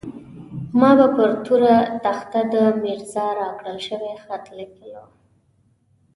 ما به پر توره تخته د ميرزا راکړل شوی خط ليکلو.